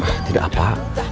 ah tidak apa